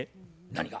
何が？